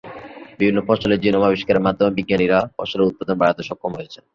বিভিন্ন ফসলের জিনোম আবিষ্কারের মাধ্যমে বিজ্ঞানীরা ফসলের উৎপাদন বাড়াতে সক্ষম হয়েছেন।